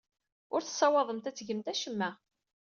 Ur tessawḍemt ad tgemt acemma.